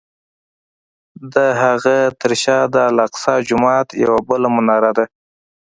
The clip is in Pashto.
د هغه تر شا د الاقصی جومات یوه بله مناره ده.